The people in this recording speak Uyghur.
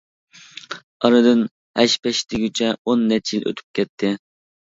ئارىدىن ھەش-پەش دېگۈچە ئون نەچچە يىل ئۆتۈپ كەتتى.